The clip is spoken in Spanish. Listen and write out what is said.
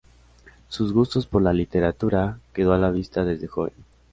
Sus gusto por la literatura quedó a la vista desde joven.